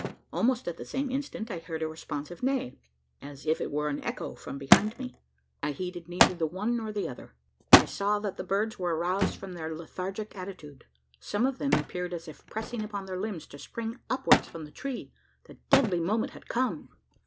Almost at the same instant, I heard a responsive neigh, as if it were an echo from behind me. I heeded neither the one nor the other. I saw that the birds were aroused from their lethargic attitude. Some of them appeared as if pressing upon their limbs to spring upwards from the tree. The deadly moment had come!